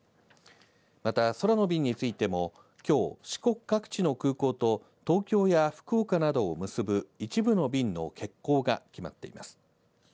また、空の便についてもきょう、四国各地の空港と東京や福岡などを結ぶ一部の便の欠航が決まっています。